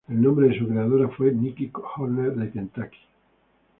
El nombre de su creadora fue Nikki Horner de Kentucky.